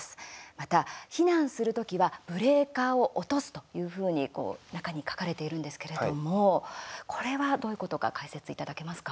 また、避難する時はブレーカーを落とすというふうに中に書かれているんですけれどもこれは、どういうことか解説いただけますか。